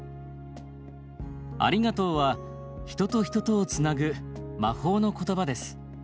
「『ありがとう』は人と人とをつなぐ魔法の言葉です。